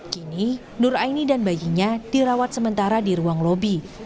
kini nur aini dan bayinya dirawat sementara di ruang lobi